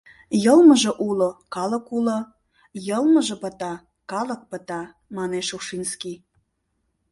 «Йылмыже уло — калык уло, йылмыже пыта — калык пыта», — манеш Ушинский.